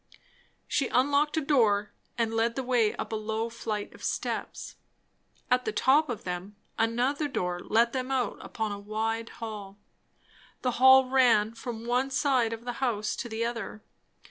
She unlocked a door and led the way up a low flight of steps. At the top of them another door let them out upon a wide hall. The hall ran from one side of the house to the other.